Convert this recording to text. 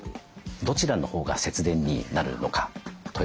どちらのほうが節電になるのかということにお答え頂けますか。